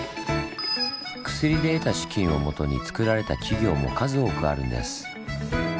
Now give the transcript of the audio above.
薬で得た資金をもとにつくられた企業も数多くあるんです。